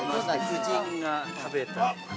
◆夫人が食べた。